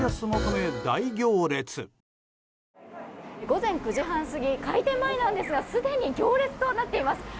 午前９時半過ぎ開店前なんですがすでに行列となっています。